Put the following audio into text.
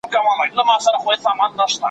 د نجونو لیلیه په زوره نه تحمیلیږي.